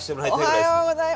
おはようございま。